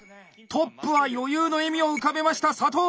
トップは余裕の笑みを浮かべました佐藤！